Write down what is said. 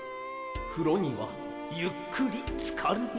「ふろにはゆっくりつかるべし」